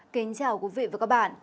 kính chào quý vị và các bạn